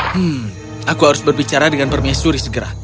hmm aku harus berbicara dengan permaisuri segera